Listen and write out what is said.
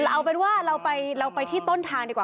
เอาเป็นว่าเราไปที่ต้นทางดีกว่า